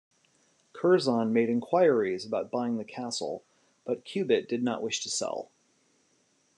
Curzon made enquiries about buying the castle, but Cubitt did not wish to sell.